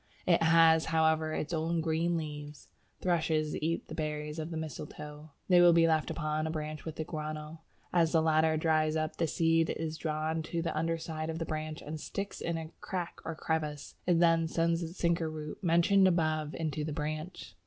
It has, however, its own green leaves. Thrushes eat the berries of the mistletoe; they will be left upon a branch with the guano; as the latter dries up, the seed is drawn to the underside of the branch, and sticks in a crack or crevice; it then sends the sinker root mentioned above into the branch.